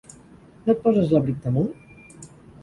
No et poses l'abric damunt?